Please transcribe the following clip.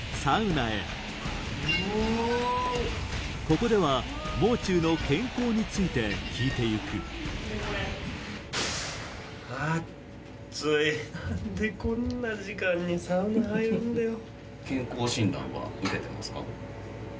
ここでは「もう中」の健康について聞いて行く何でこんな時間にサウナ入るんだよ。